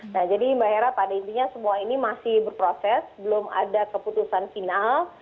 nah jadi mbak hera pada intinya semua ini masih berproses belum ada keputusan final